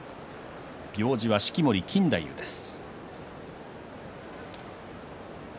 行司は式守錦太夫です。